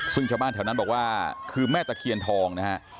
ซึ่งชาวบ้านแถวนั้นบอกว่าคือแม่ตะเคียนทองนะฮะ